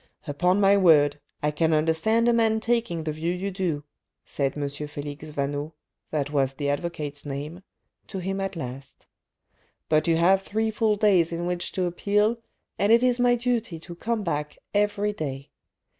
" Upon my word, I can understand a man taking the view you do," said M. Felix Vaneau (that was the advocate's name) to him at last. " But you have three full days in which to appeal, and it is my duty to come back every day.